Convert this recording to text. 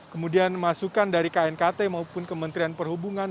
kemudian masukan dari knkt maupun kementerian perhubungan